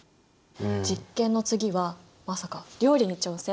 実験の次はまさか料理に挑戦？